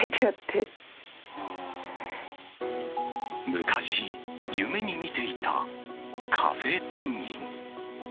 昔、夢に見ていたカフェ店員。